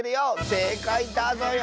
せいかいだぞよ。